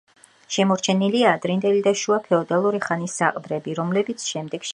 შემორჩენილია ადრინდელი და შუა ფეოდალური ხანის საყდრები, რომლებიც შემდეგში გადაუკეთებიათ.